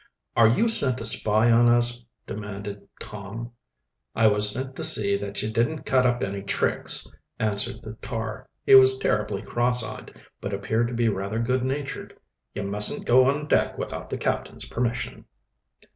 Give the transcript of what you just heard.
"Are you sent to spy on us?" demanded Tom, "I was sent to see that you didn't cut up any tricks," answered the tar. He was terribly crosseyed, but appeared to be rather good natured. "You mustn't go on deck without the captain's permission."